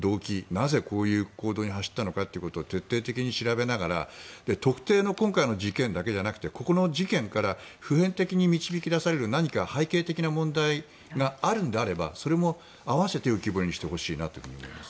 なぜこういう行動に走ったのかを徹底的に調べながら特定の今回の事件だけでなく個々の事件から普遍的に導き出される背景的な問題があるのであればそれも併せて浮き彫りにしてほしいなと思います。